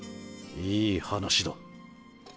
いい話だ。